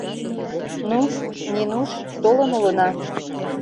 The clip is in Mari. Ну, Нинуш, толын улына.